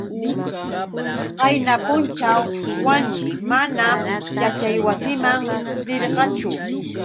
Qayna punćhaw Wanshi manam yaćhaywasiman rirqachu.